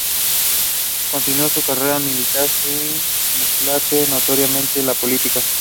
Continuó su carrera militar sin mezclarse notoriamente en política.